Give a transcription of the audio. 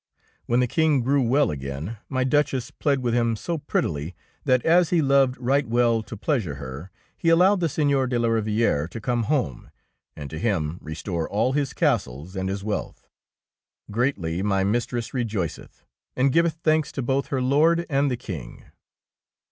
When the King grew well again, my Duchess plead with him so prettily, 45 DEEDS OF DAEING that as he loved right well to pleasure her, he allowed the Seigneur de la Rivi ere to come home, and to him restored all his castles and his wealth. Greatly my mistress rejoiceth, and giveth thanks to both her Lord and the King.